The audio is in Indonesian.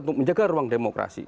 untuk menjaga ruang demokrasi